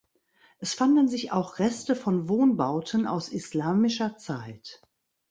Es fanden sich auch Reste von Wohnbauten aus islamischer Zeit.